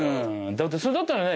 だってそれだったらね